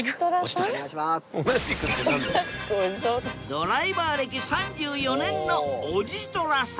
ドライバー歴３４年のおじとらさん。